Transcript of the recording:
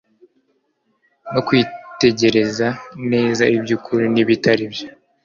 no kwitegereza neza iby'ukuri n'ibitari byo.